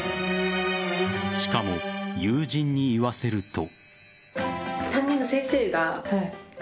しかも友人にいわせると。